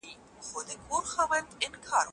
ګنګا سیند د ناروغۍ څارنې لپاره څېړل شوی.